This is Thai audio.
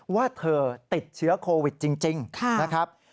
ว่าเธอติดเชื้อโควิดจริงนะครับ